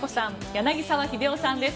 柳澤秀夫さんです。